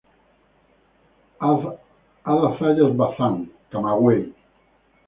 Ada Zayas Bazán, Camagüey.